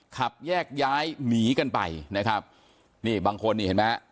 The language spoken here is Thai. ขับแยกย้ายหนีกันไปนะครับนี่บางคนนี่เห็นไหมฮะ